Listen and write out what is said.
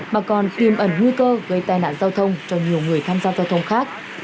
mà còn tiêm ẩn nguy cơ gây tai nạn giao thông cho nhiều người tham gia giao thông khác